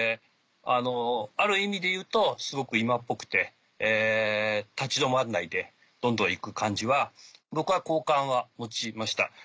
ある意味でいうとすごく今っぽくて立ち止まらないでどんどん行く感じは僕は好感は持ちました。